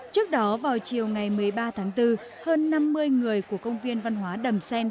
trước đó vào chiều ngày một mươi ba tháng bốn hơn năm mươi người của công viên văn hóa đầm xen